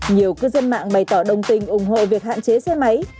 nhiều cư dân mạng bày tỏ đồng tình ủng hộ việc hạn chế xe máy